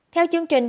theo chương trình